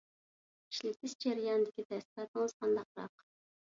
ئىشلىتىش جەريانىدىكى تەسىراتىڭىز قانداقراق؟